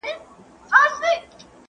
کله نا کله به راتلل ورته د ښار مېلمانه.